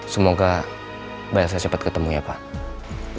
semoga bila saya cepat ketemu ya pak